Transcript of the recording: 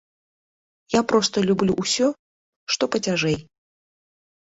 Я проста люблю ўсё, што пацяжэй.